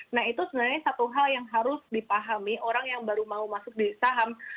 nah itu sebenarnya satu hal yang harus dipahami orang yang baru mau masuk di saham